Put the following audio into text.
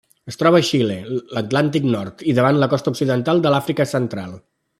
Es troba a Xile, l'Atlàntic nord i davant la costa occidental de l'Àfrica Central.